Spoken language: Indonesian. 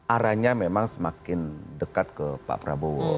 arahnya memang semakin dekat ke pak prabowo